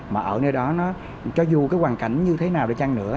mà ở nơi đó nó cho dù cái hoàn cảnh như thế nào để chăng nữa